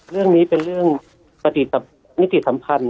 เรื่องนี้เป็นเรื่องปฏินิติสัมพันธ์